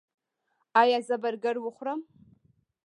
ایا زه برګر وخورم؟